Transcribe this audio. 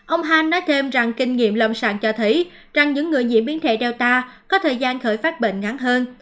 ông han nói thêm rằng kinh nghiệm lâm sàng cho thấy rằng những người nhiễm biến thể data có thời gian khởi phát bệnh ngắn hơn